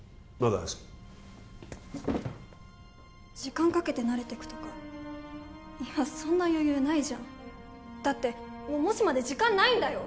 早瀬時間かけて慣れてくとか今そんな余裕ないじゃんだってもう模試まで時間ないんだよ